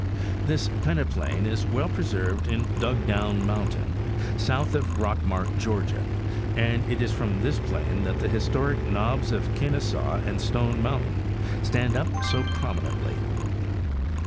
This peneplain is well preserved in Dug Down mountain, south of Rockmart, Georgia, and it is from this plain that the historic knobs of Kennesaw and Stone mountain stand up so promi nently.